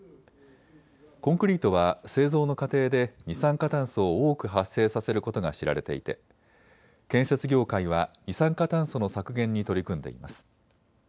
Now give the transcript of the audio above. コンクリートは製造の過程で二酸化炭素を多く発生させることが知られていて建設業界は二酸化炭素の削減に取り組んでいます。